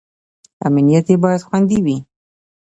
امنیت یې باید خوندي وي.